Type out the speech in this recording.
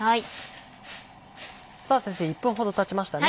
さぁ先生１分ほどたちましたね。